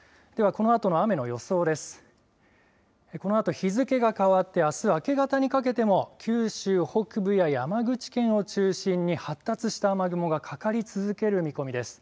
このあと日付が変わってあす明け方にかけても九州北部や山口県を中心に発達した雨雲がかかり続ける見込みです。